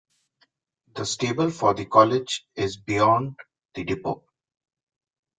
The stable for the college is beyond the depot.